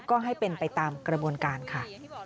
ก็ให้เป็นไปตามกระบวนการค่ะ